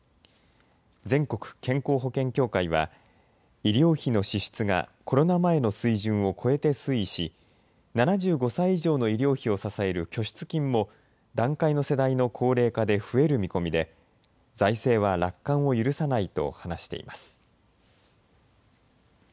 全国健康保険協会は医療費の支出がコロナ前の水準を超えて推移し７５歳以上の医療費を支える拠出金も団塊の世代の高齢化で増える見込みで財政は楽観を許さないと話しています。